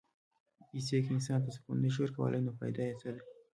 پېسې که انسان ته سکون نه شي ورکولی، نو فایده یې څه ده؟